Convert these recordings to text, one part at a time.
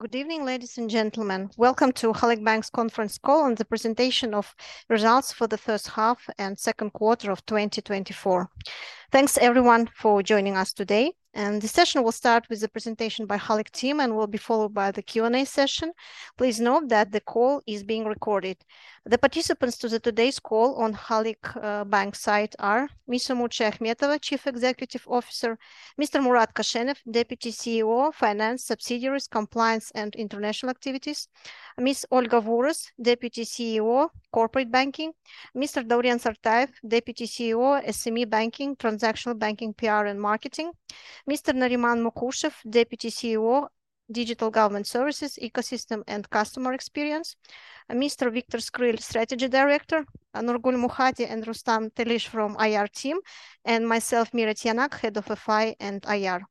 Good evening, ladies and gentlemen. Welcome to Halyk Bank's conference call and the presentation of results for the first half and second quarter of 2024. Thanks everyone for joining us today, and the session will start with a presentation by Halyk team and will be followed by the Q&A session. Please note that the call is being recorded. The participants to today's call on Halyk Bank side are Miss Umut Shayakhmetova, Chief Executive Officer, Mr. Murat Koshenov, Deputy CEO, Finance, Subsidiaries, Compliance, and International Activities, Ms. Olga Vuros, Deputy CEO, Corporate Banking, Mr. Dauren Sartayev, Deputy CEO, SME Banking, Transactional Banking, PR, and Marketing, Mr. Nariman Mukushev, Deputy CEO, Digital Government Services, Ecosystem, and Customer Experience, and Mr. Viktor Skryl, Strategy Director, and Nurgul Mukhadi and Rustam Telish from IR team, and myself, Mira Tiyanak, Head of FI and IR.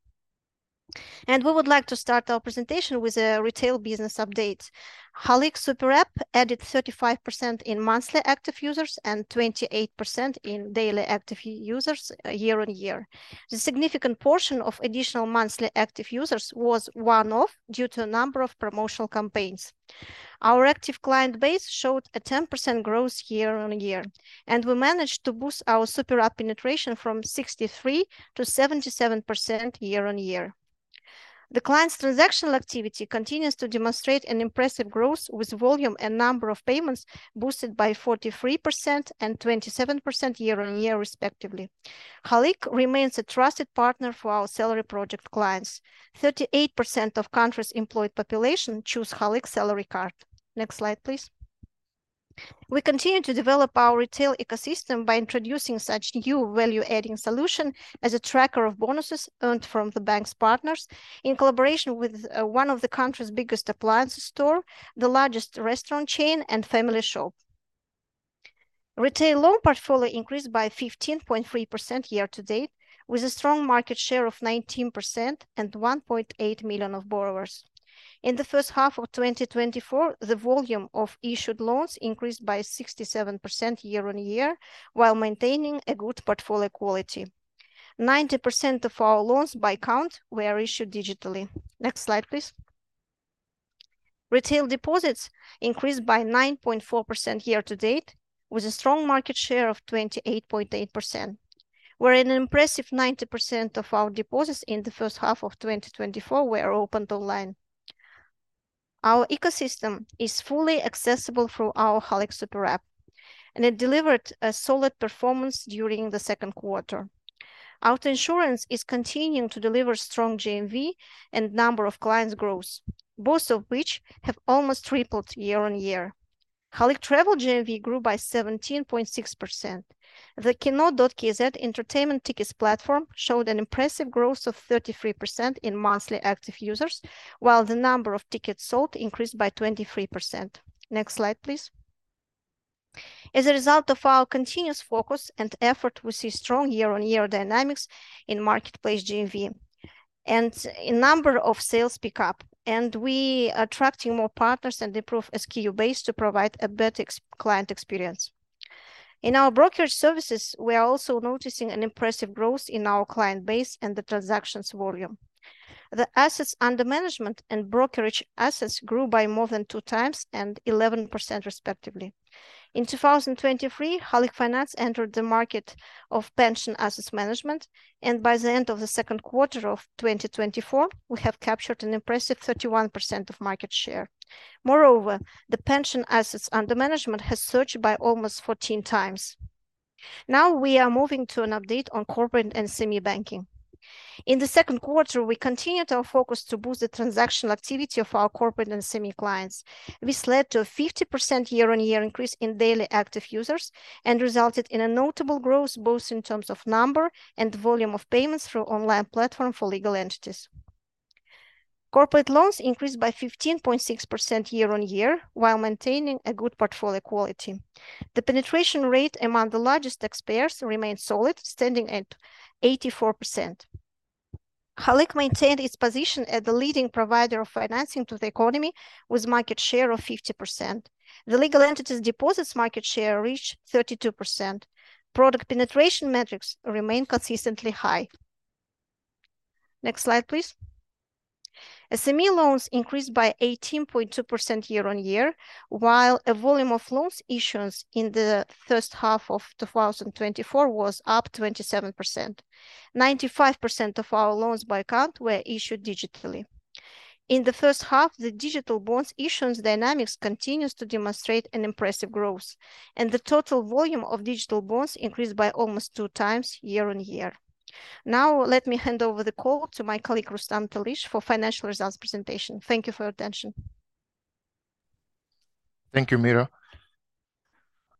We would like to start our presentation with a retail business update. Halyk Super App added 35% in monthly active users and 28% in daily active users, year-on-year. The significant portion of additional monthly active users was one-off due to a number of promotional campaigns. Our active client base showed a 10% growth year-on-year, and we managed to boost our Super App penetration from 63% to 77% year-on-year. The client's transactional activity continues to demonstrate an impressive growth, with volume and number of payments boosted by 43% and 27% year-on-year, respectively. Halyk remains a trusted partner for our salary project clients. 38% of country's employed population choose Halyk Salary Card. Next slide, please. We continue to develop our retail ecosystem by introducing such new value-adding solution as a tracker of bonuses earned from the bank's partners in collaboration with one of the country's biggest appliance store, the largest restaurant chain, and family shop. Retail loan portfolio increased by 15.3% year-to-date, with a strong market share of 19% and 1.8 million of borrowers. In the first half of 2024, the volume of issued loans increased by 67% year-on-year, while maintaining a good portfolio quality. 90% of our loans by count were issued digitally. Next slide, please. Retail deposits increased by 9.4% year-to-date, with a strong market share of 28.8%, where an impressive 90% of our deposits in the first half of 2024 were opened online. Our ecosystem is fully accessible through our Halyk Super App, and it delivered a solid performance during the second quarter. Auto insurance is continuing to deliver strong GMV and number of clients growth, both of which have almost tripled year-on-year. Halyk Travel GMV grew by 17.6%. The Kino.kz entertainment tickets platform showed an impressive growth of 33% in monthly active users, while the number of tickets sold increased by 23%. Next slide, please. As a result of our continuous focus and effort, we see strong year-on-year dynamics in marketplace GMV and a number of sales pick-up, and we are attracting more partners and improve SKU base to provide a better end-client experience. In our brokerage services, we are also noticing an impressive growth in our client base and the transactions volume. The assets under management and brokerage assets grew by more than 2x and 11%, respectively. In 2023, Halyk Finance entered the market of pension assets management, and by the end of the second quarter of 2024, we have captured an impressive 31% of market share. Moreover, the pension assets under management has surged by almost 14 times. Now, we are moving to an update on corporate and SME banking. In the second quarter, we continued our focus to boost the transactional activity of our corporate and SME clients. This led to a 50% year-on-year increase in daily active users and resulted in a notable growth, both in terms of number and volume of payments through online platform for legal entities. Corporate loans increased by 15.6% year-on-year, while maintaining a good portfolio quality. The penetration rate among the largest taxpayers remained solid, standing at 84%. Halyk maintained its position as the leading provider of financing to the economy, with market share of 50%. The legal entities deposits market share reached 32%. Product penetration metrics remain consistently high. Next slide, please. SME loans increased by 18.2% year-on-year, while a volume of loans issuance in the first half of 2024 was up 27%. 95% of our loans by count were issued digitally. In the first half, the digital bonds issuance dynamics continues to demonstrate an impressive growth, and the total volume of digital bonds increased by almost two times, year-on-year. Now, let me hand over the call to my colleague, Rustam Telish, for financial results presentation. Thank you for your attention. Thank you, Mira.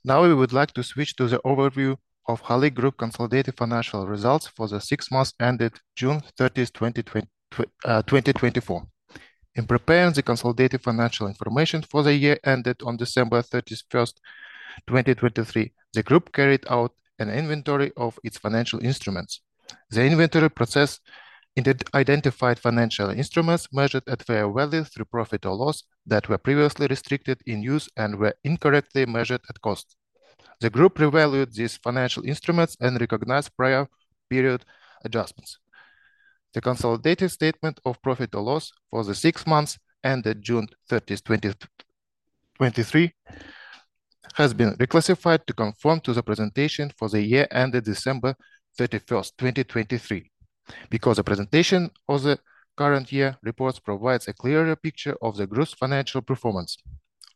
Now, we would like to switch to the overview of Halyk Group consolidated financial results for the six months ended June 30, 2024. In preparing the consolidated financial information for the year ended on December 31, 2023, the group carried out an inventory of its financial instruments. The inventory process identified financial instruments measured at fair value through profit or loss that were previously restricted in use and were incorrectly measured at cost. The group revalued these financial instruments and recognized prior period adjustments. The consolidated statement of profit or loss for the six months ended June 30, 2023, has been reclassified to conform to the presentation for the year ended December 31, 2023. Because the presentation of the current year reports provides a clearer picture of the group's financial performance,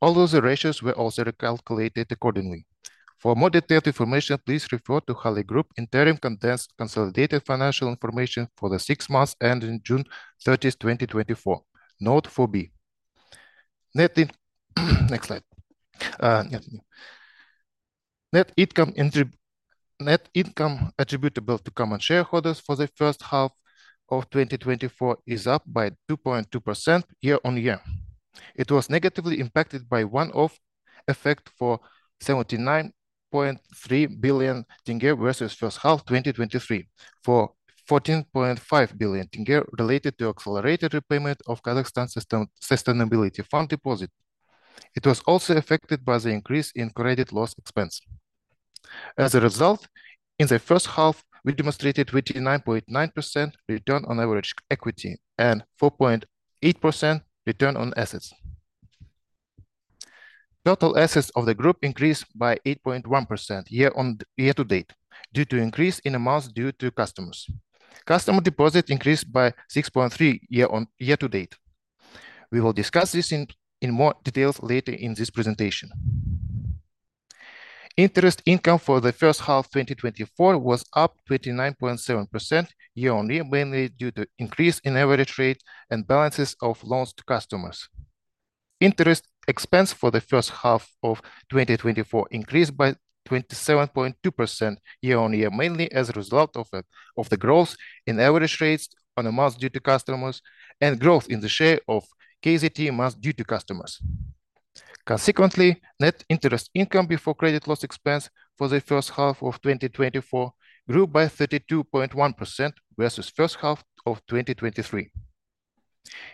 although the ratios were also recalculated accordingly. For more detailed information, please refer to Halyk Group interim condensed consolidated financial information for the six months ending June 30, 2024, note 4-B. Next slide. Net income attributable to common shareholders for the first half of 2024 is up by 2.2% year-on-year. It was negatively impacted by one-off effect for KZT 79.3 billion versus first half 2023, for KZT 14.5 billion related to accelerated repayment of Kazakhstan Sustainability Fund deposit. It was also affected by the increase in credit loss expense. As a result, in the first half, we demonstrated 29.9% return on average equity and 4.8% return on assets. Total assets of the group increased by 8.1% year-on-year-to-date, due to increase in amounts due to customers. Customer deposit increased by 6.3% year-on-year-to-date. We will discuss this in more details later in this presentation. Interest income for the first half 2024 was up 29.7% year-on-year, mainly due to increase in average rate and balances of loans to customers. Interest expense for the first half of 2024 increased by 27.2% year-on-year, mainly as a result of the growth in average rates on amounts due to customers and growth in the share of KZT amounts due to customers. Consequently, net interest income before credit loss expense for the first half of 2024 grew by 32.1% versus first half of 2023.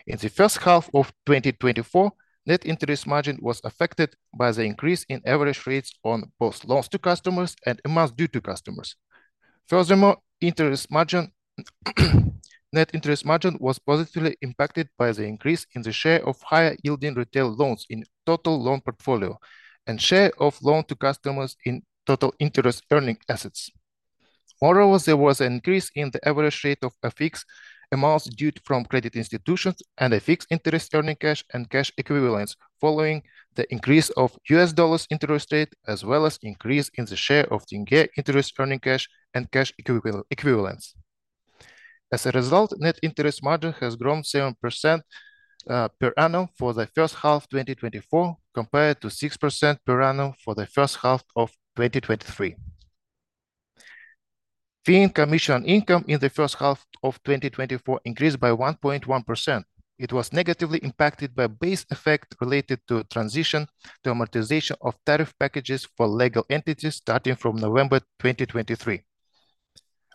In the first half of 2024, net interest margin was affected by the increase in average rates on both loans to customers and amounts due to customers. Furthermore, interest margin, net interest margin was positively impacted by the increase in the share of higher-yielding retail loans in total loan portfolio and share of loan to customers in total interest earning assets. Moreover, there was an increase in the average rate of fixed amounts due from credit institutions and fixed interest earning cash and cash equivalents, following the increase of U.S. dollars interest rate, as well as increase in the share of tenge interest earning cash and cash equivalents. As a result, net interest margin has grown 7% per annum for the first half of 2024, compared to 6% per annum for the first half of 2023. Fee and commission income in the first half of 2024 increased by 1.1%. It was negatively impacted by base effect related to transition to amortization of tariff packages for legal entities starting from November 2023.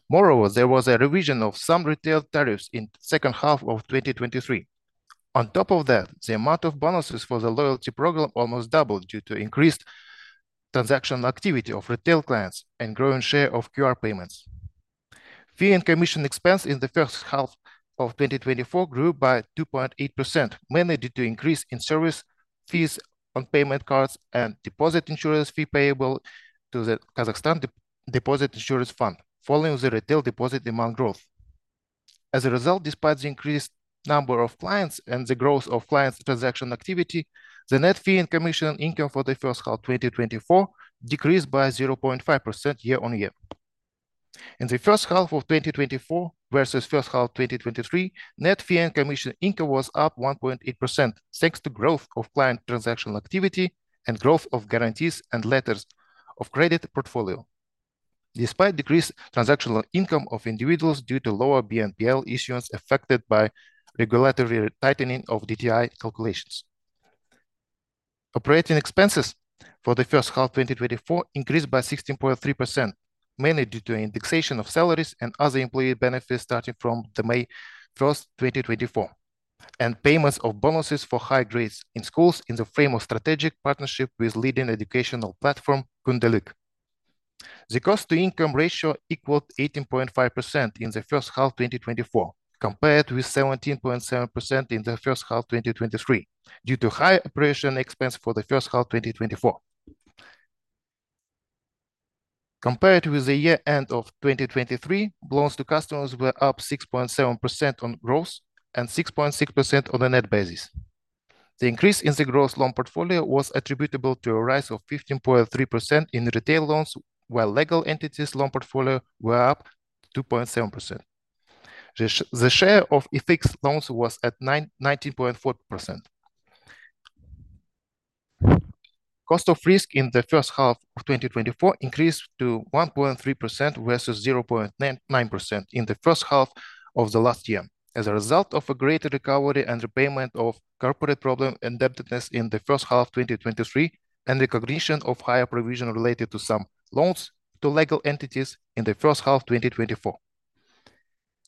Moreover, there was a revision of some retail tariffs in second half of 2023. On top of that, the amount of bonuses for the loyalty program almost doubled due to increased transactional activity of retail clients and growing share of QR payments. Fee and commission expense in the first half of 2024 grew by 2.8%, mainly due to increase in service fees on payment cards and deposit insurance fee payable to the Kazakhstan Deposit Insurance Fund, following the retail deposit amount growth. As a result, despite the increased number of clients and the growth of clients' transaction activity, the net fee and commission income for the first half 2024 decreased by 0.5% year-on-year. In the first half of 2024 versus first half 2023, net fee and commission income was up 1.8%, thanks to growth of client transactional activity and growth of guarantees and letters of credit portfolio, despite decreased transactional income of individuals due to lower BNPL issuance affected by regulatory tightening of DTI calculations. Operating expenses for the first half 2024 increased by 16.3%, mainly due to indexation of salaries and other employee benefits starting from May 1, 2024, and payments of bonuses for high grades in schools in the frame of strategic partnership with leading educational platform, Kundelik. The cost-to-income ratio equaled 18.5% in the first half 2024, compared with 17.7% in the first half 2023, due to higher operating expense for the first half 2024. Compared with the year-end of 2023, loans to customers were up 6.7% on gross and 6.6% on a net basis. The increase in the gross loan portfolio was attributable to a rise of 15.3% in retail loans, while legal entities' loan portfolio were up 2.7%. The share of FX loans was at 19.4%. Cost of risk in the first half of 2024 increased to 1.3% versus 0.99% in the first half of last year, as a result of a greater recovery and repayment of corporate problem indebtedness in the first half of 2023, and recognition of higher provision related to some loans to legal entities in the first half of 2024.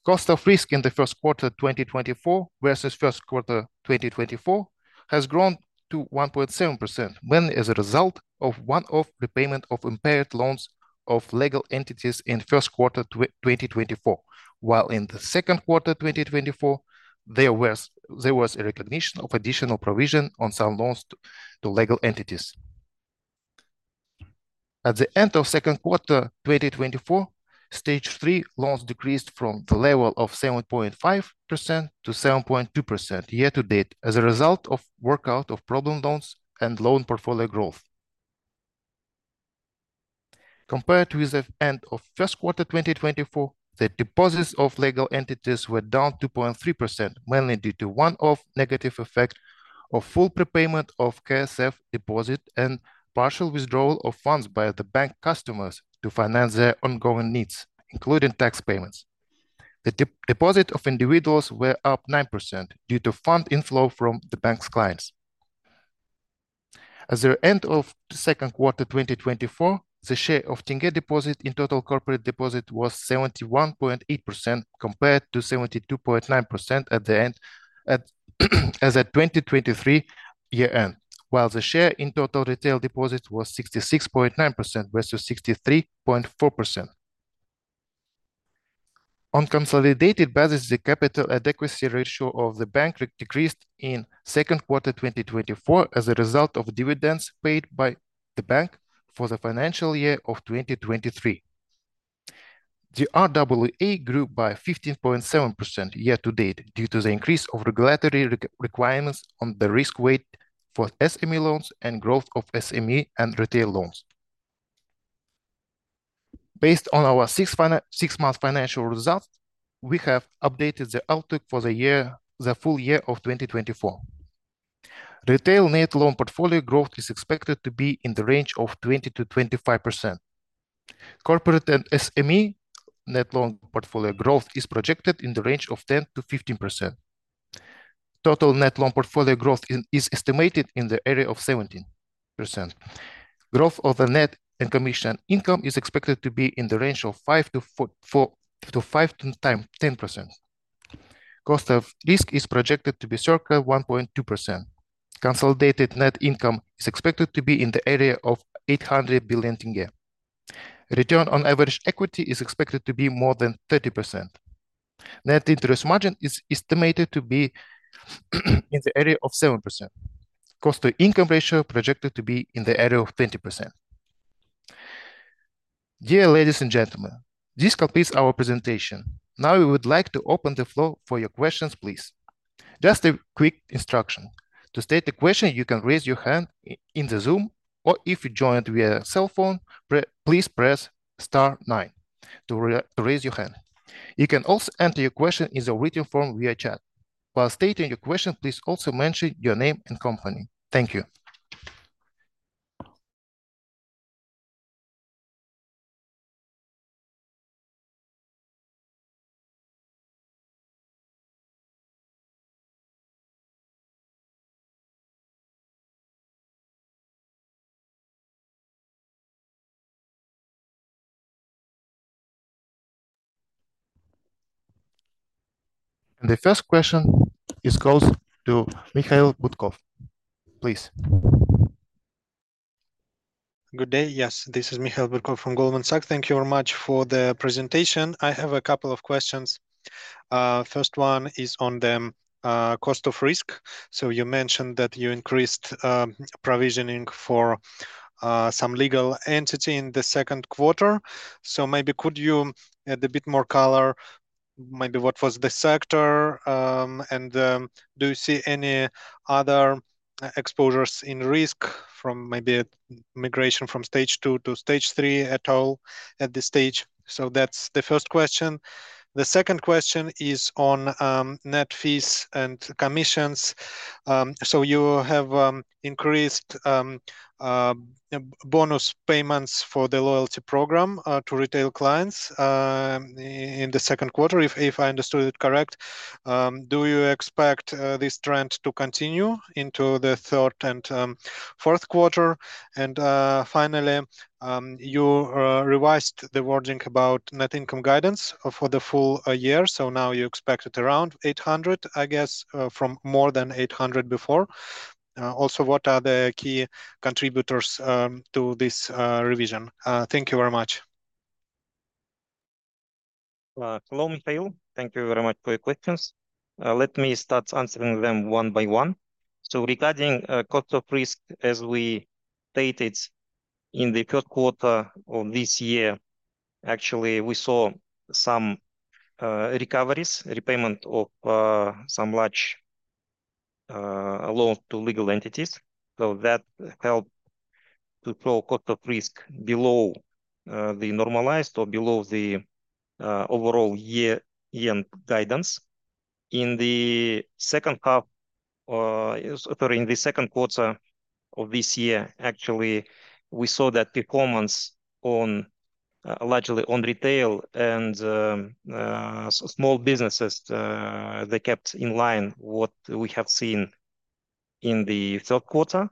Cost of risk in the first quarter 2024 versus first quarter 2023 has grown to 1.7%, mainly as a result of one-off prepayment of impaired loans of legal entities in first quarter 2024. While in the second quarter 2024, there was a recognition of additional provision on some loans to legal entities. At the end of second quarter 2024, Stage 3 loans decreased from the level of 7.5% to 7.2% year-to-date, as a result of workout of problem loans and loan portfolio growth. Compared with the end of first quarter 2024, the deposits of legal entities were down 2.3%, mainly due to one-off negative effect of full prepayment of KSF deposit and partial withdrawal of funds by the bank customers to finance their ongoing needs, including tax payments. The deposit of individuals were up 9% due to fund inflow from the bank's clients. At the end of the second quarter, 2024, the share of tenge deposit in total corporate deposit was 71.8%, compared to 72.9% at the end, as at 2023 year-end, while the share in total retail deposits was 66.9% versus 63.4%. On consolidated basis, the capital adequacy ratio of the bank decreased in second quarter 2024 as a result of dividends paid by the bank for the financial year of 2023. The RWA grew by 15.7% year-to-date, due to the increase of regulatory requirements on the risk weight for SME loans and growth of SME and retail loans. Based on our six-month financial results, we have updated the outlook for the year, the full year of 2024. Retail net loan portfolio growth is expected to be in the range of 20%-25%. Corporate and SME net loan portfolio growth is projected in the range of 10%-15%. Total net loan portfolio growth is estimated in the area of 17%. Growth of the net and commission income is expected to be in the range of 4x-5x, 10%. Cost of risk is projected to be circa 1.2%. Consolidated net income is expected to be in the area of KZT 800 billion. Return on average equity is expected to be more than 30%. Net interest margin is estimated to be in the area of 7%. Cost-to-income ratio projected to be in the area of 20%. Dear ladies and gentlemen, this completes our presentation. Now we would like to open the floor for your questions, please. Just a quick instruction. To state the question, you can raise your hand in the Zoom, or if you joined via cellphone, please press star nine to raise your hand. You can also enter your question in the written form via chat. While stating your question, please also mention your name and company. Thank you. And the first question is goes to Mikhail Butkov. Please. Good day. Yes, this is Mikhail Butkov from Goldman Sachs. Thank you very much for the presentation. I have a couple of questions. First one is on the cost of risk. So you mentioned that you increased provisioning for some legal entity in the second quarter. So maybe could you add a bit more color, maybe what was the sector? And do you see any other exposures in risk from maybe a migration from Stage 2 to Stage 3 at all at this stage? So that's the first question. The second question is on net fees and commissions. So you have increased bonus payments for the loyalty program to retail clients in the second quarter, if I understood it correct. Do you expect this trend to continue into the third and fourth quarter? And finally, you revised the wording about net income guidance for the full year. So now you expect it around 800, I guess, from more than 800 before. Also, what are the key contributors to this revision? Thank you very much. Hello, Mikhail. Thank you very much for your questions. Let me start answering them one by one. So, regarding cost of risk, as we stated in the third quarter of this year, actually, we saw some recoveries, repayment of some large loans to legal entities. So, that helped to pull cost of risk below the normalized or below the overall year-end guidance. In the second half or in the second quarter of this year, actually, we saw that performance on, largely on retail and small businesses, they kept in line what we have seen-... in the third quarter.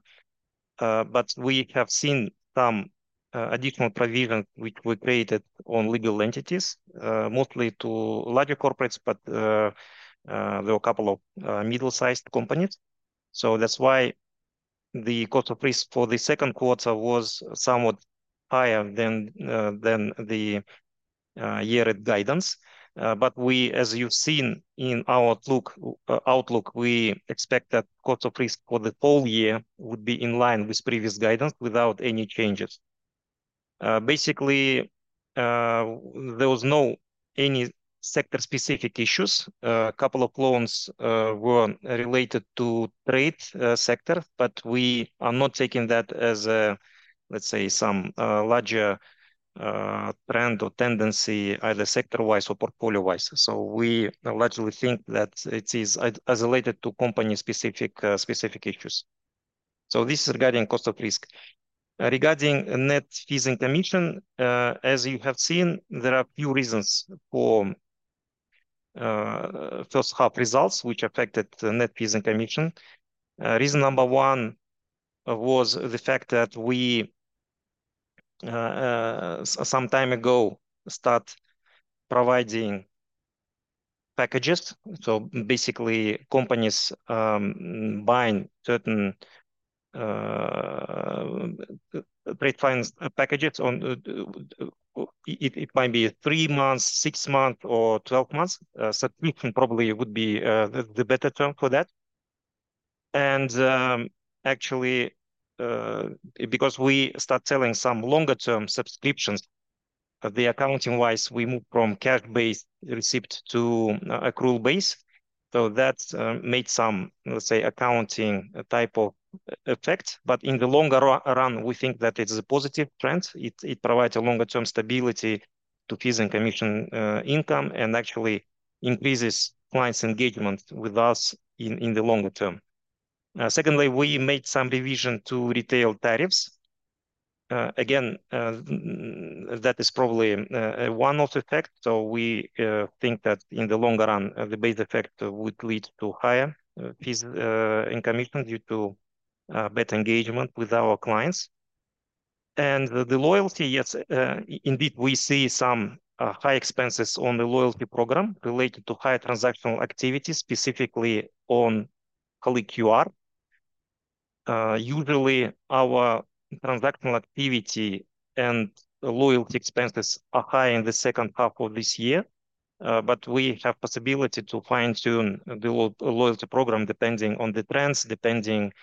But we have seen some additional provision which were created on legal entities, mostly to larger corporates, but there were a couple of middle-sized companies. So that's why the cost of risk for the second quarter was somewhat higher than the year-end guidance. But we, as you've seen in our outlook, we expect that cost of risk for the whole year would be in line with previous guidance without any changes. Basically, there was no any sector-specific issues. A couple of loans were related to trade sector, but we are not taking that as a, let's say, some larger trend or tendency, either sector-wise or portfolio-wise. So we largely think that it is isolated to company-specific issues. This is regarding cost of risk. Regarding net fees and commission, as you have seen, there are a few reasons for first half results, which affected the net fees and commission. Reason number one was the fact that we some time ago start providing packages. So basically, companies buying certain trade finance packages on... It might be three months, six month or 12 months. Subscription probably would be the better term for that. And actually, because we start selling some longer-term subscriptions, the accounting-wise, we move from cash-based receipt to accrual base. So that's made some, let's say, accounting type of effect. But in the longer run, we think that it is a positive trend. It provides a longer-term stability to fees and commission income, and actually increases clients' engagement with us in the longer term. Secondly, we made some revision to retail tariffs. Again, that is probably a one-off effect, so we think that in the longer run, the base effect would lead to higher fees and commission due to better engagement with our clients, and the loyalty, yes, indeed, we see some high expenses on the loyalty program related to higher transactional activity, specifically on Click QR. Usually, our transactional activity and loyalty expenses are high in the second half of this year, but we have possibility to fine-tune the loyalty program, depending on the trends, depending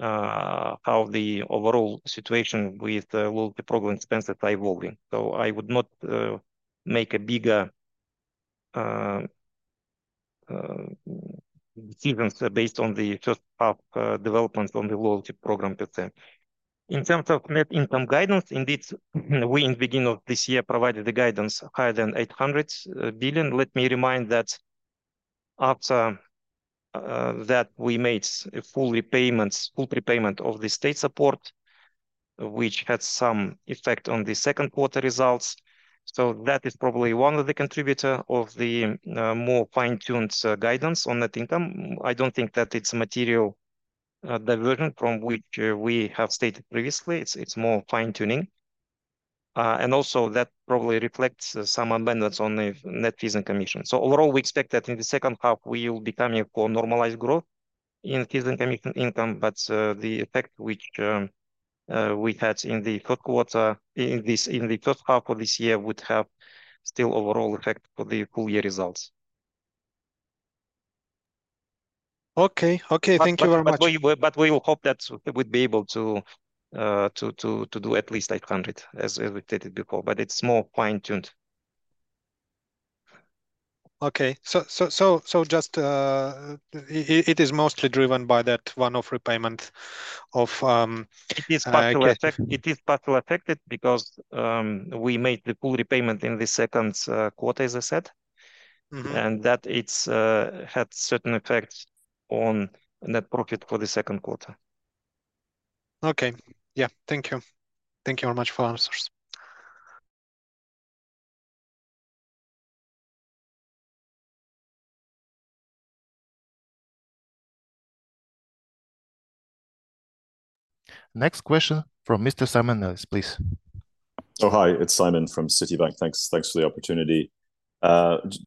how the overall situation with the loyalty program expenses are evolving. So I would not make bigger decisions based on the first half development on the loyalty program per se. In terms of net income guidance, indeed, we, in the beginning of this year, provided the guidance higher than KZT 800 billion. Let me remind that after that we made a full repayments, full prepayment of the state support, which had some effect on the second quarter results. So that is probably one of the contributor of the more fine-tuned guidance on net income. I don't think that it's a material diversion from which we have stated previously. It's more fine-tuning. And also that probably reflects some abundance on the net fees and commission. Overall, we expect that in the second half we will become a more normalized growth in fees and commission income, but the effect which we had in the third quarter, in the first half of this year, would have still overall effect for the full-year results. Okay. Okay, thank you very much. But we will hope that we'd be able to do at least 800, as we stated before, but it's more fine-tuned. Okay. So just it is mostly driven by that one-off repayment of. It is partly affected because we made the full repayment in the second quarter, as I said. Mm-hmm. And that it's had certain effects on net profit for the second quarter. Okay. Yeah. Thank you. Thank you very much for answers. Next question from Mr. Simon Nellis, please. Oh, hi, it's Simon from Citibank. Thanks, thanks for the opportunity.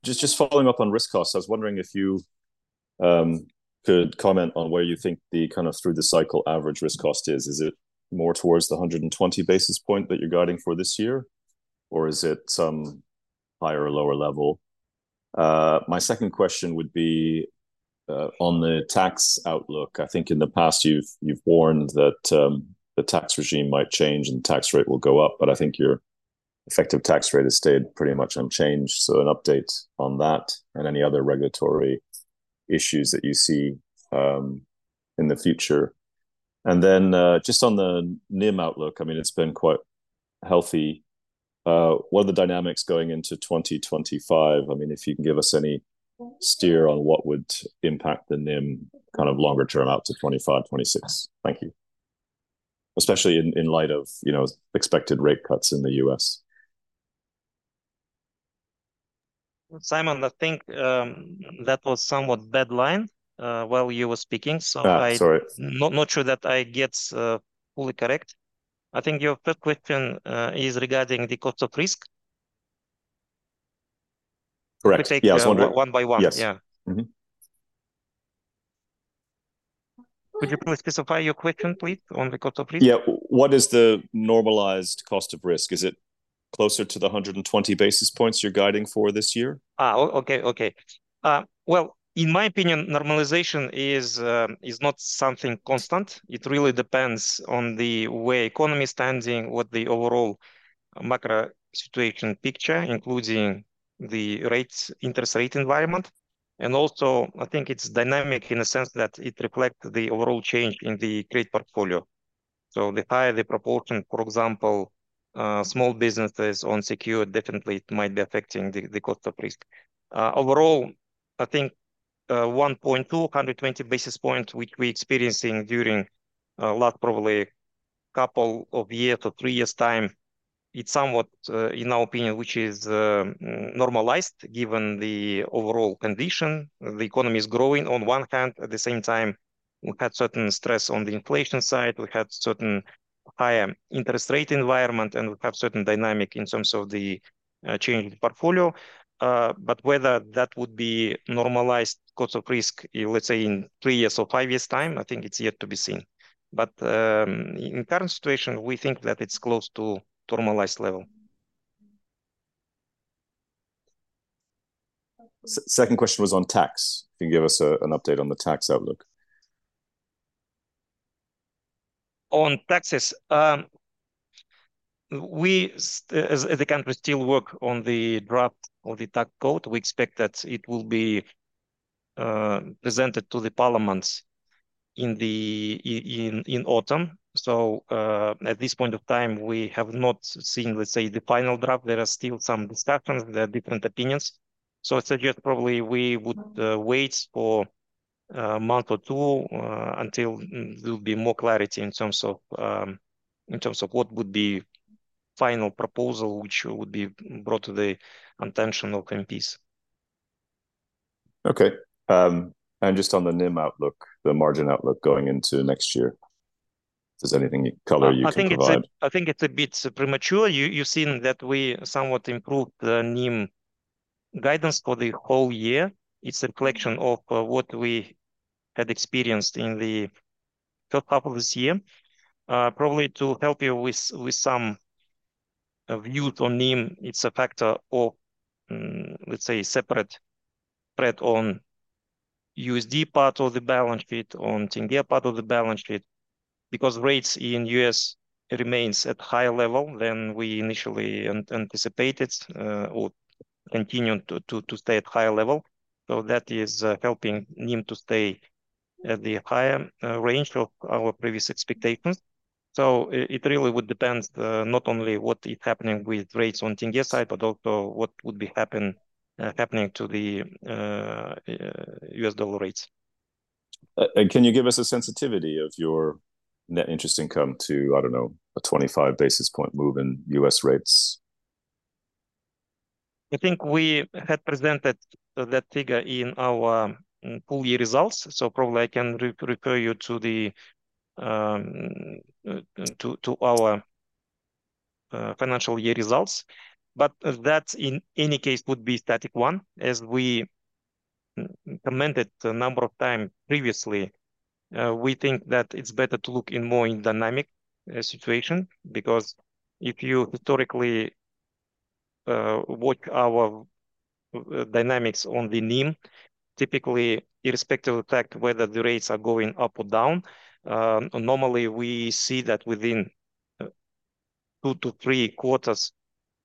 Just following up on risk costs, I was wondering if you could comment on where you think the kind of through the cycle average risk cost is. Is it more towards the 120 basis point that you're guiding for this year, or is it some higher or lower level? My second question would be on the tax outlook. I think in the past, you've warned that the tax regime might change and the tax rate will go up, but I think your effective tax rate has stayed pretty much unchanged. So an update on that and any other regulatory issues that you see in the future. And then just on the NIM outlook, I mean, it's been quite healthy. What are the dynamics going into 2025? I mean, if you can give us any steer on what would impact the NIM, kind of, longer term out to 2025, 2026. Thank you. Especially in light of, you know, expected rate cuts in the U.S. .Simon, I think that was somewhat dead line while you were speaking, so I'm- Ah, sorry. Not sure that I get fully correct. I think your first question is regarding the cost of risk? Correct. Yeah, I was wondering- One by one. Yes. Yeah. Mm-hmm. Could you please specify your question, please, on the cost of risk? Yeah. What is the normalized cost of risk? Is it closer to 120 basis points you're guiding for this year? Okay. Well, in my opinion, normalization is not something constant. It really depends on the way economy is standing, what the overall macro situation picture, including the rates, interest rate environment. And also, I think it's dynamic in a sense that it reflect the overall change in the credit portfolio. So the higher the proportion, for example, small businesses unsecured, definitely it might be affecting the cost of risk. Overall, I think 120 basis points, which we're experiencing during last probably couple of years to three years time, it's somewhat in our opinion normalized, given the overall condition. The economy is growing on one hand, at the same time, we had certain stress on the inflation side. We had certain higher interest rate environment, and we have certain dynamic in terms of the change in the portfolio. But whether that would be normalized cost of risk, let's say, in three years or five years' time, I think it's yet to be seen. But, in current situation, we think that it's close to normalized level. Second question was on tax. Can you give us an update on the tax outlook? On taxes, we, as the country, still work on the draft of the tax code. We expect that it will be presented to the Parliament in the autumn. At this point of time, we have not seen, let's say, the final draft. There are still some discussions, there are different opinions. I suggest probably we would wait for a month or two until there'll be more clarity in terms of what would be final proposal, which would be brought to the attention of MPs. Okay. And just on the NIM outlook, the margin outlook going into next year, is there any color you can provide? I think it's a bit premature. You've seen that we somewhat improved the NIM guidance for the whole year. It's a reflection of what we had experienced in the first half of this year. Probably to help you with some view on NIM, it's a factor of, let's say, separate spread on USD part of the balance sheet, on tenge part of the balance sheet, because rates in U.S. remains at higher level than we initially anticipated, or continue to stay at higher level. So that is helping NIM to stay at the higher range of our previous expectations. So it really would depends, not only what is happening with rates on tenge side, but also what would be happening to the U.S. dollar rates. And can you give us a sensitivity of your net interest income to, I don't know, a 25 basis point move in U.S. rates? I think we had presented that figure in our full-year results, so probably I can refer you to our financial year results. But that, in any case, would be static one. As we commented a number of time previously, we think that it's better to look more in dynamic situation, because if you historically work our dynamics on the NIM, typically, irrespective of the fact whether the rates are going up or down, normally, we see that within two to three quarters,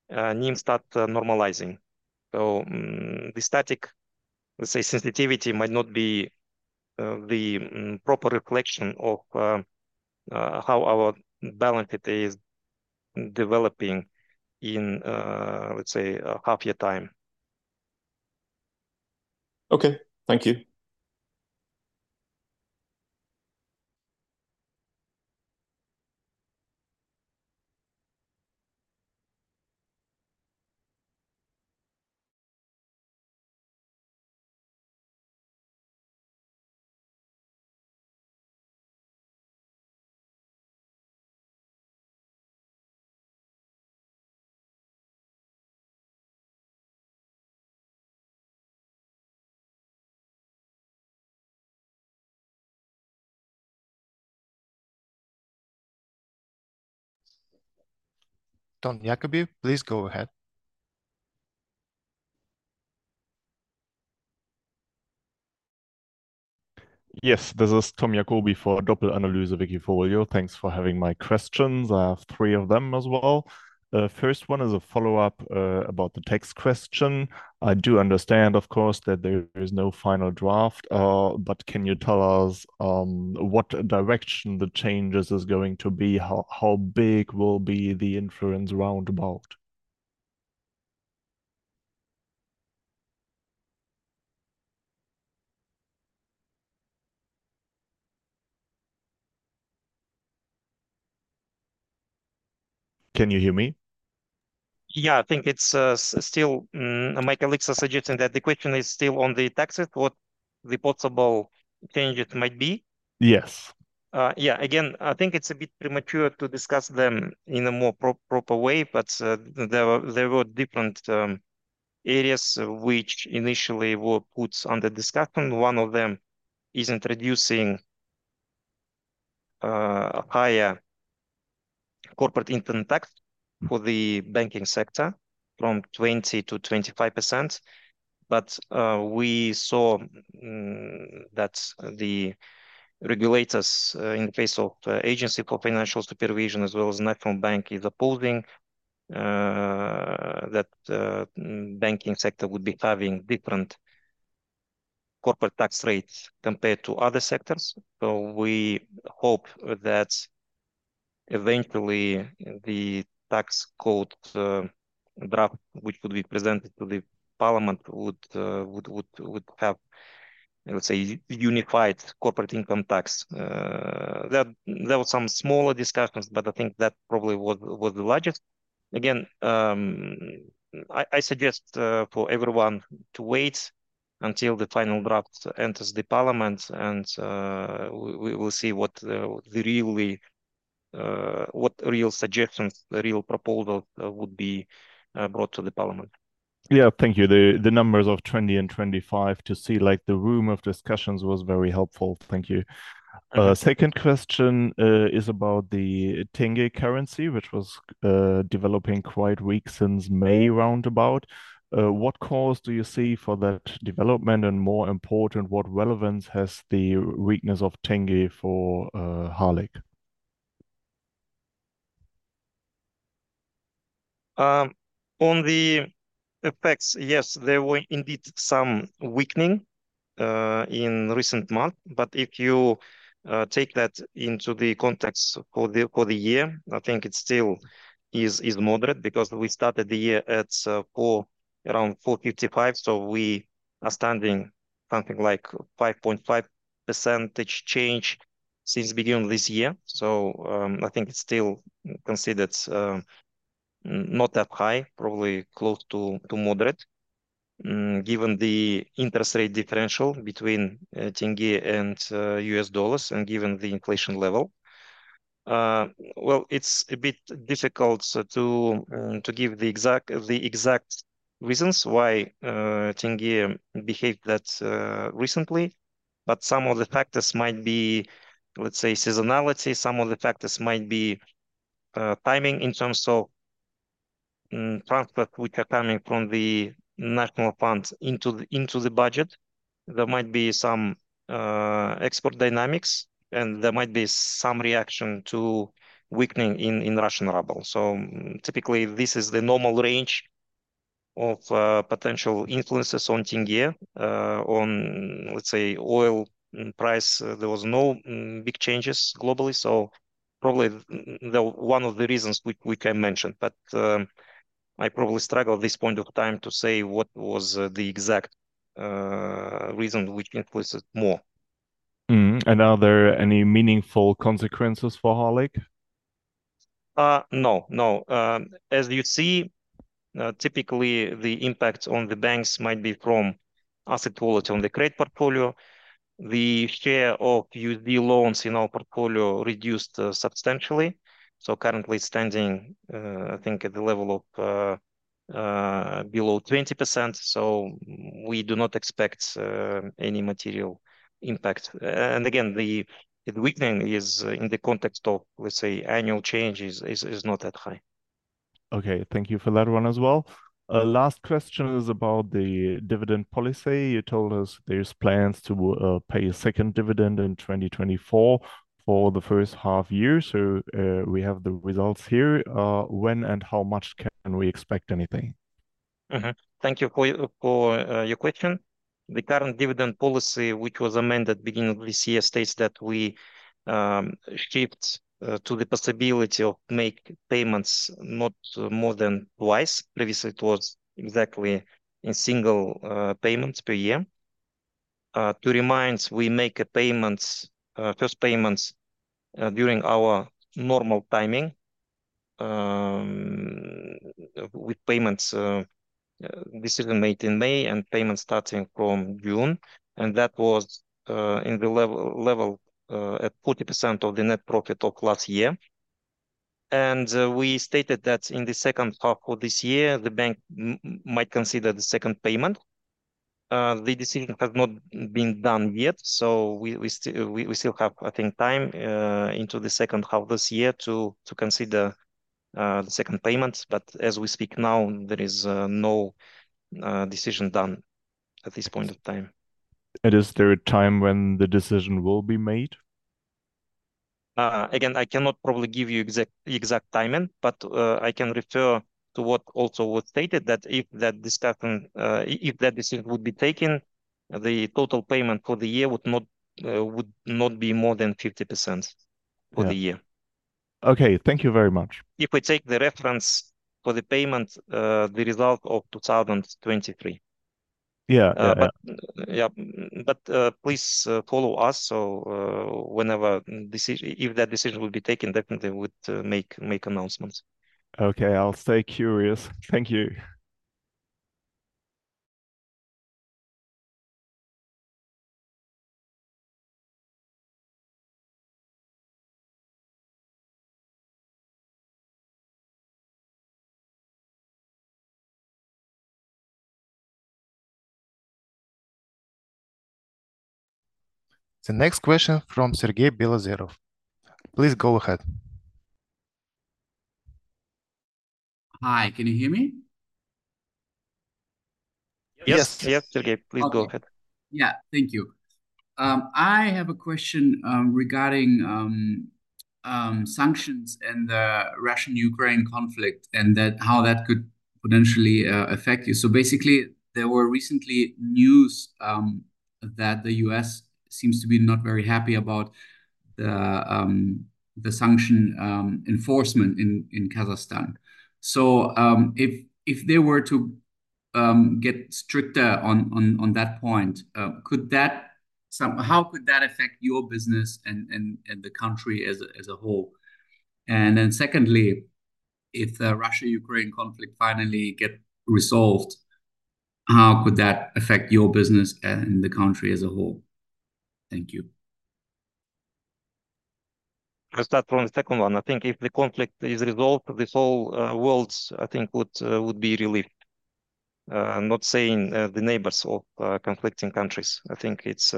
NIM start normalizing. So, the static, let's say, sensitivity might not be the proper reflection of how our balance sheet is developing in, let's say, a half year time. Okay. Thank you. Tom Jakobi, please go ahead. Yes, this is Tom Jakobi for Doppelanalyse Wikifolio. Thanks for having my questions. I have three of them as well. The first one is a follow-up about the tax question. I do understand, of course, that there is no final draft, but can you tell us what direction the changes is going to be? How big will be the influence roundabout? Can you hear me? Yeah. I think it's still suggesting that the question is still on the taxes, what the possible changes might be? Yes. Yeah, again, I think it's a bit premature to discuss them in a more proper way, but there were different areas which initially were put under discussion. One of them is introducing higher corporate income tax for the banking sector from 20%-25%. But we saw that the regulators, in case of Agency for Financial Supervision, as well as National Bank, is opposing that banking sector would be having different corporate tax rates compared to other sectors. So we hope that eventually the tax code draft, which will be presented to the parliament, would have, let's say, unified corporate income tax. There were some smaller discussions, but I think that probably was the largest. Again, I suggest for everyone to wait until the final draft enters the parliament and we will see what the real suggestions, the real proposal would be brought to the parliament. Yeah, thank you. The numbers of 20 and 25 to see like the room of discussions was very helpful. Thank you. Second question is about the tenge currency, which was developing quite weak since May roundabout. What cause do you see for that development? And more important, what relevance has the weakness of tenge for Halyk? On the effects, yes, there were indeed some weakening in recent months, but if you take that into the context for the year, I think it still is moderate because we started the year at four, around 455, so we are standing something like 5.5% change since beginning of this year. So, I think it's still considered not that high, probably close to moderate. Given the interest rate differential between tenge and U.S. dollars and given the inflation level. Well, it's a bit difficult to give the exact reasons why tenge behaved that recently, but some of the factors might be, let's say, seasonality. Some of the factors might be timing in terms of transfer, which are coming from the national funds into the budget. There might be some export dynamics, and there might be some reaction to weakening in Russian ruble. So typically, this is the normal range of potential influences on tenge. On, let's say, oil price, there was no big changes globally, so probably the one of the reasons we can mention. But I probably struggle at this point of time to say what was the exact reason which influences more. Mm-hmm, and are there any meaningful consequences for Halyk? No, no. As you see, typically the impact on the banks might be from asset quality on the credit portfolio. The share of USD loans in our portfolio reduced substantially, so currently standing, I think at the level of below 20%, so we do not expect any material impact. And again, the weakening is in the context of, let's say, annual change is not that high. Okay, thank you for that one as well. Last question is about the dividend policy. You told us there's plans to pay a second dividend in 2024 for the first half year. So, we have the results here. When and how much can we expect anything? Mm-hmm. Thank you for your question. The current dividend policy, which was amended beginning of this year, states that we shift to the possibility of make payments not more than twice. Previously it was exactly a single payments per year. To remind, we make payments first payments during our normal timing with payments decision made in May and payments starting from June, and that was in the level at 40% of the net profit of last year. And we stated that in the second half of this year, the bank might consider the second payment. The decision has not been done yet, so we still have, I think, time into the second half of this year to consider the second payment. But as we speak now, there is no decision done at this point of time. Is there a time when the decision will be made? Again, I cannot probably give you exact timing, but I can refer to what also was stated, that if that discussion... if that decision would be taken, the total payment for the year would not be more than 50%. Yeah. For the year. Okay. Thank you very much. If we take the reference for the payment, the result of 2023. But please follow us so whenever decision, if that decision will be taken, definitely we would make announcements. Okay, I'll stay curious. Thank you. The next question from Sergey Belozerov. Please go ahead. Hi, can you hear me? Yes. Yes, Sergey, please go ahead. Okay. Yeah, thank you. I have a question regarding sanctions and the Russia-Ukraine conflict, and how that could potentially affect you. So basically, there were recently news that the U.S. seems to be not very happy about the sanction enforcement in Kazakhstan. So, if they were to get stricter on that point, could that... How could that affect your business and the country as a whole? And then secondly, if the Russia-Ukraine conflict finally get resolved, how could that affect your business and the country as a whole? Thank you. I'll start from the second one. I think if the conflict is resolved, this whole world I think would be relieved. I'm not saying the neighbors of conflicting countries. I think it's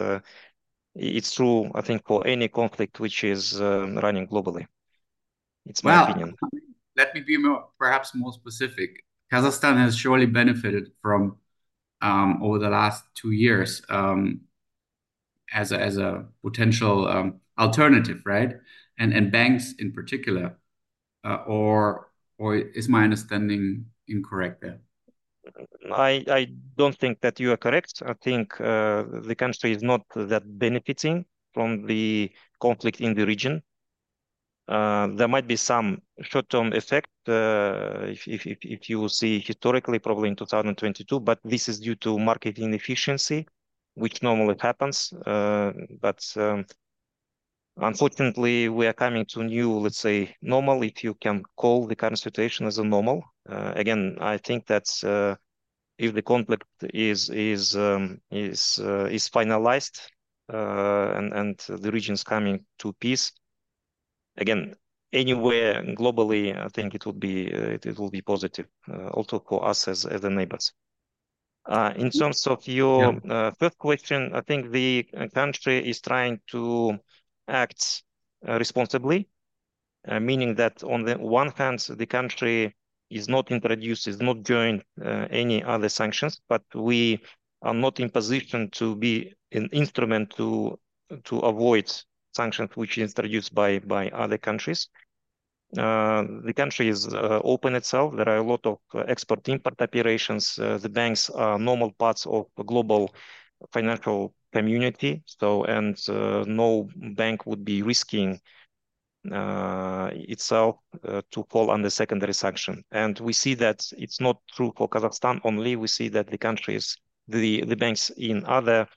true, I think for any conflict which is running globally. It's my opinion. Let me be more, perhaps more specific. Kazakhstan has surely benefited from over the last two years as a potential alternative, right? And banks in particular, or is my understanding incorrect there? I don't think that you are correct. I think the country is not that benefiting from the conflict in the region. There might be some short-term effect, if you see historically, probably in 2022, but this is due to market inefficiency, which normally happens. Unfortunately, we are coming to a new, let's say, normal, if you can call the current situation as a normal. Again, I think that's if the conflict is finalized and the region's coming to peace, again, anywhere globally, I think it will be positive also for us as the neighbors. In terms of your- Yeah,... first question, I think the country is trying to act responsibly, meaning that on the one hand, the country is not introduced, is not joined any other sanctions, but we are not in position to be an instrument to avoid sanctions, which is introduced by other countries. The country is open itself. There are a lot of export-import operations. The banks are normal parts of the global financial community, so and no bank would be risking itself to fall under secondary sanction. And we see that it's not true for Kazakhstan only. We see that the countries, the banks in other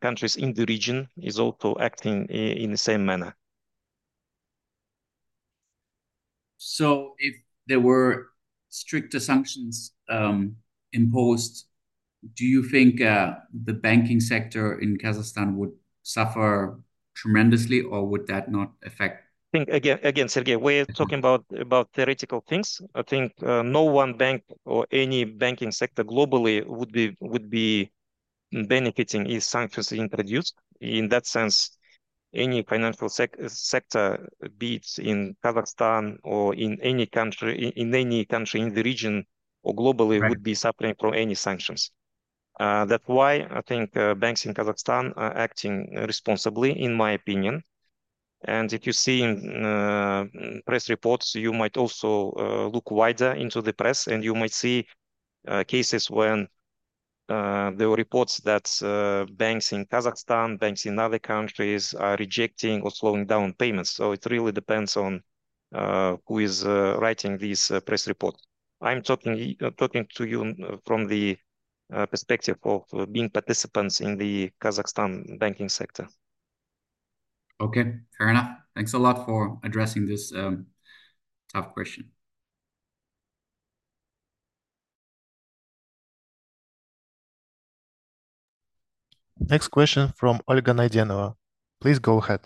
countries in the region is also acting in the same manner. So if there were stricter sanctions imposed, do you think the banking sector in Kazakhstan would suffer tremendously, or would that not affect? I think, again, Sergey, we're talking about theoretical things. I think no one bank or any banking sector globally would be benefiting if sanctions are introduced. In that sense, any financial sector, be it in Kazakhstan or in any country, in any country in the region or globally- Right.... would be suffering from any sanctions. That's why I think banks in Kazakhstan are acting responsibly, in my opinion. And if you see in press reports, you might also look wider into the press, and you might see cases when there were reports that banks in Kazakhstan, banks in other countries are rejecting or slowing down payments. So it really depends on who is writing these press reports. I'm talking to you from the perspective of being participants in the Kazakhstan banking sector. Okay, fair enough. Thanks a lot for addressing this, tough question. Next question from Olga Naydenova. Please go ahead.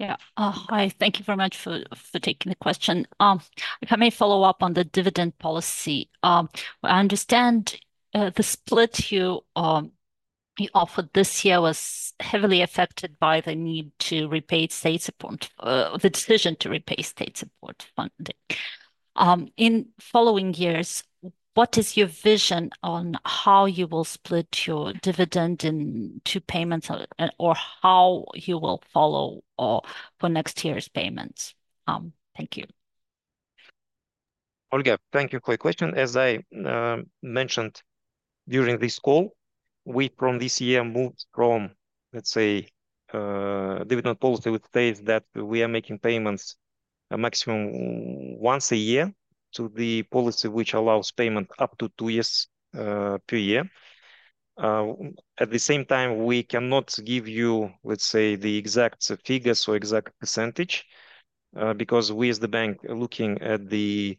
Yeah. Hi. Thank you very much for taking the question. If I may follow up on the dividend policy. I understand the split you offered this year was heavily affected by the need to repay state support, the decision to repay state support funding. In following years, what is your vision on how you will split your dividend in two payments or, and, or how you will follow for next year's payments? Thank you. Olga, thank you for your question. As I mentioned during this call, we from this year moved from, let's say, dividend policy, which states that we are making payments a maximum once a year to the policy, which allows payment up to two years per year. At the same time, we cannot give you, let's say, the exact figures or exact percentage, because we as the bank are looking at the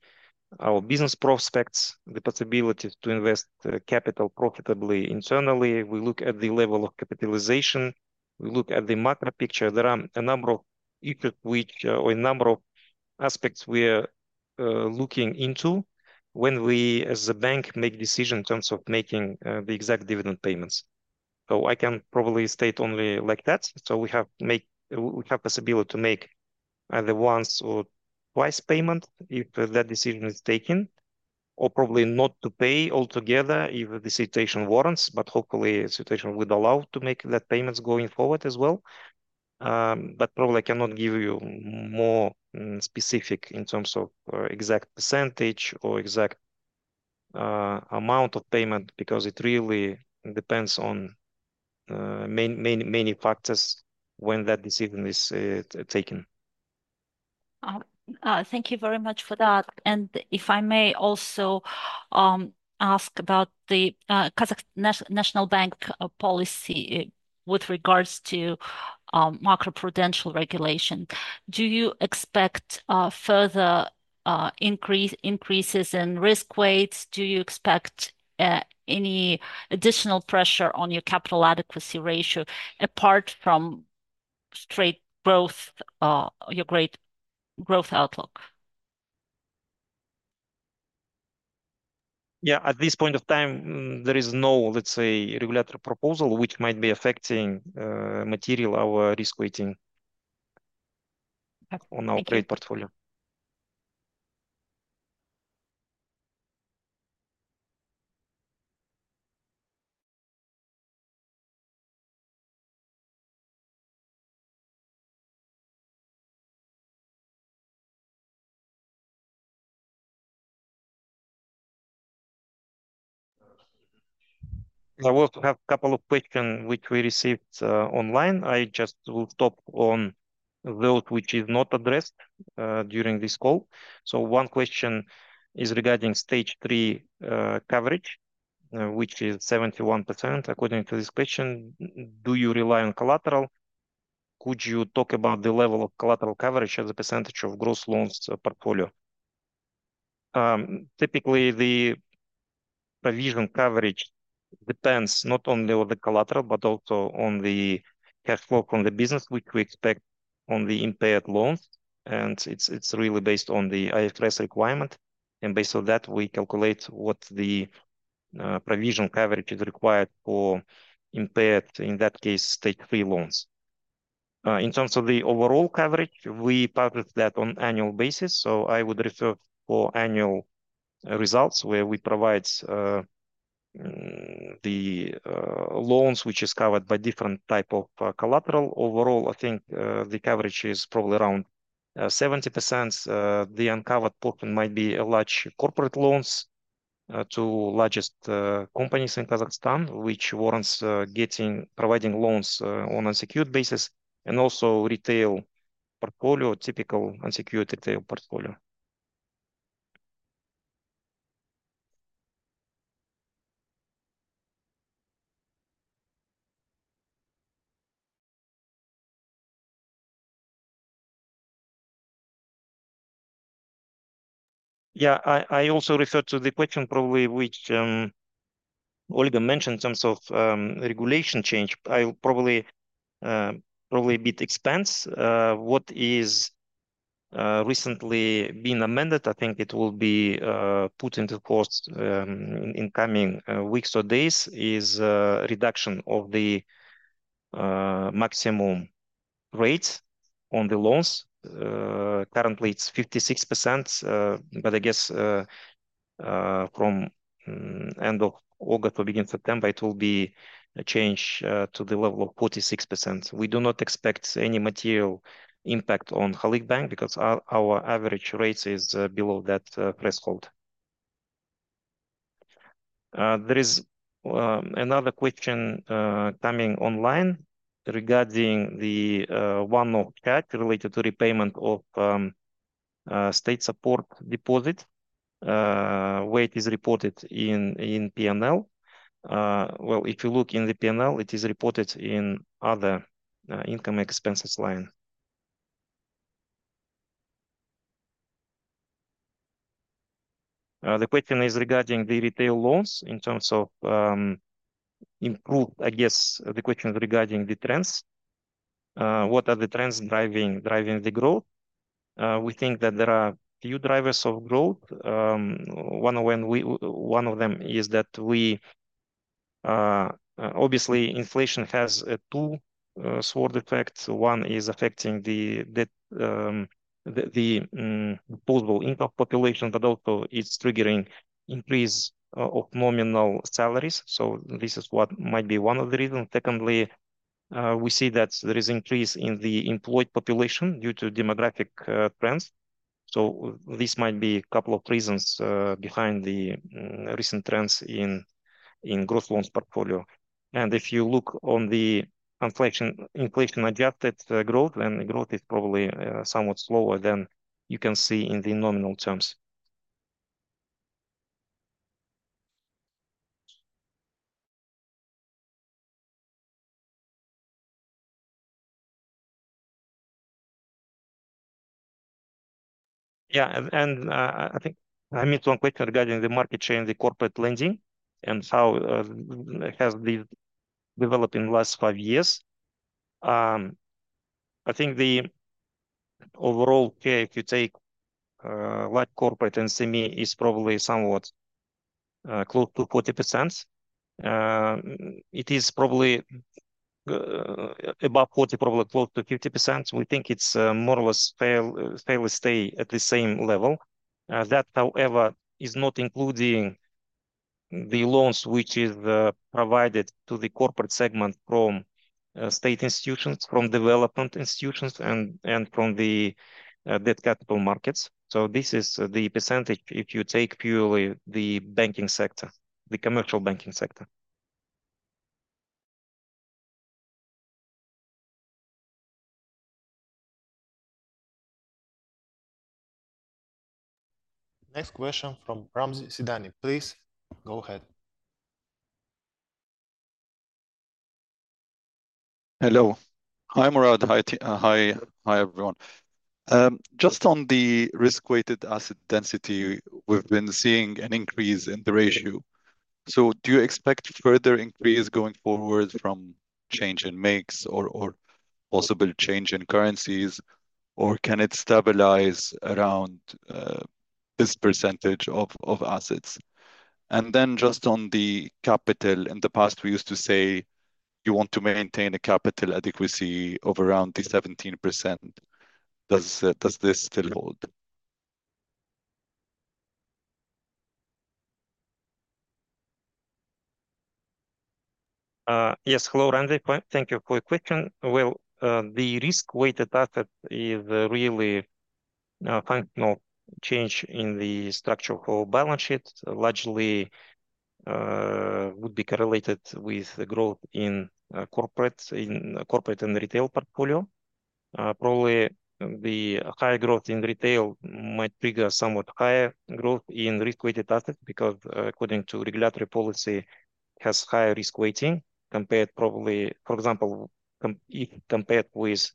our business prospects, the possibility to invest capital profitably internally. We look at the level of capitalization, we look at the macro picture. There are a number of issues which, or a number of aspects we are looking into when we, as a bank, make decision in terms of making the exact dividend payments. So I can probably state only like that. So we have possibility to make either once or twice payment, if that decision is taken, or probably not to pay altogether if the situation warrants. But hopefully, the situation would allow to make that payments going forward as well. But probably I cannot give you more specific in terms of, exact percentage or exact, amount of payment, because it really depends on, many, many, many factors when that decision is, taken. Thank you very much for that, and if I may also ask about the National Bank policy with regard to macroprudential regulation. Do you expect further increases in risk weights? Do you expect any additional pressure on your capital adequacy ratio, apart from strong growth, your great growth outlook? Yeah. At this point of time, there is no, let's say, regulatory proposal, which might be affecting, material, our risk weighting. Okay, thank you. On our trade portfolio. I also have a couple of questions which we received online. I just will stop on those which is not addressed during this call. So one question is regarding Stage 3 coverage, which is 71%. According to this question, do you rely on collateral? Could you talk about the level of collateral coverage as a percentage of gross loans portfolio? Typically, the provision coverage depends not only on the collateral, but also on the cash flow from the business, which we expect on the impaired loans, and it's really based on the IFRS requirement, and based on that, we calculate what the provision coverage is required for impaired, in that case, Stage 3 loans. In terms of the overall coverage, we publish that on annual basis, so I would refer to annual results, where we provide the loans, which is covered by different type of collateral. Overall, I think the coverage is probably around 70%. The uncovered portion might be a large corporate loans to largest companies in Kazakhstan, which warrants providing loans on unsecured basis, and also retail portfolio, typical unsecured retail portfolio. Yeah, I also refer to the question probably, which Olga mentioned in terms of regulation change. I'll probably elaborate a bit on what has recently been amended. I think it will be put into force in coming weeks or days, is reduction of the maximum rate on the loans. Currently it's 56%, but I guess from end of August or beginning September, it will be a change to the level of 46%. We do not expect any material impact on Halyk Bank because our average rate is below that threshold. There is another question coming online regarding the 1Q note that related to repayment of state support deposit, where it is reported in P&L. Well, if you look in the P&L, it is reported in other income expenses line. The question is regarding the retail loans in terms of the trends. What are the trends driving the growth? We think that there are few drivers of growth. One of them is that we obviously inflation has a two-edged sword effect. One is affecting the disposable income population, but also it's triggering increase of nominal salaries. So this is what might be one of the reasons. Secondly, we see that there is increase in the employed population due to demographic trends. So this might be a couple of reasons behind the recent trends in growth loans portfolio. If you look on the inflation-adjusted growth, then the growth is probably somewhat slower than you can see in the nominal terms. Yeah, and I think I missed one question regarding the market share in the corporate lending and how it has developed in the last five years. I think the overall share if you take, like corporate and SME is probably somewhat close to 40%. It is probably above 40, probably close to 50%. We think it's more or less likely to stay at the same level. That, however, is not including the loans which is provided to the corporate segment from state institutions, from development institutions, and, and from the debt capital markets. So this is the percentage if you take purely the banking sector, the commercial banking sector. Next question from Ramzi Sidani. Please, go ahead. Hello. Hi, Murat. Hi, everyone. Just on the risk-weighted asset density, we've been seeing an increase in the ratio. So do you expect further increase going forward from change in mix or possible change in currencies, or can it stabilize around this percentage of assets? And then just on the capital, in the past, we used to say you want to maintain a capital adequacy of around 17%. Does this still hold? Yes. Hello, Ramzi. Thank you for your question. The risk-weighted asset is really functional change in the structure of our balance sheet. Largely would be correlated with the growth in corporates, in corporate and retail portfolio. Probably the higher growth in retail might trigger somewhat higher growth in risk-weighted assets, because according to regulatory policy has higher risk weighting compared probably, for example, if compared with,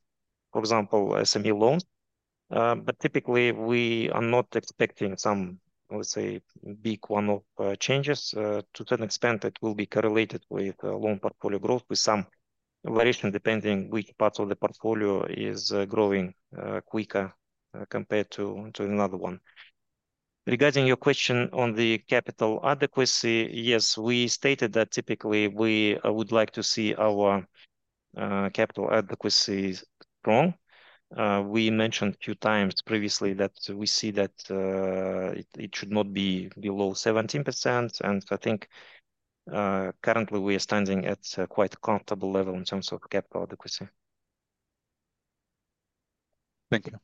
for example, SME loans. But typically, we are not expecting some, let's say, big one-off changes. To an extent, it will be correlated with loan portfolio growth, with some variation, depending which parts of the portfolio is growing quicker compared to another one. Regarding your question on the capital adequacy, yes, we stated that typically we would like to see our capital adequacy strong. We mentioned a few times previously that we see that it should not be below 17%, and I think currently we are standing at a quite comfortable level in terms of capital adequacy. Thank you.